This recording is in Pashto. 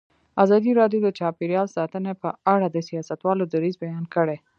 ازادي راډیو د چاپیریال ساتنه په اړه د سیاستوالو دریځ بیان کړی.